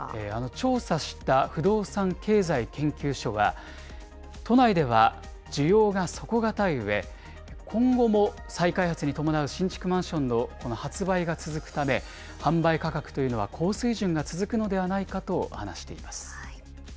調査した不動産経済研究所は、都内では需要が底堅いうえ、今後も再開発に伴う新築マンションのこの発売が続くため、販売価格というのは高水準が続くのではないかと話しています。